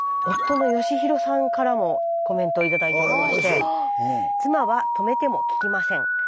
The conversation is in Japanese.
夫の美弘さんからもコメントを頂いておりまして「妻は止めても聞きません。